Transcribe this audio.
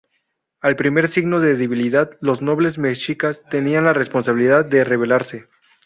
Al primer signo de debilidad, los nobles mexicas tenían la responsabilidad de rebelarse.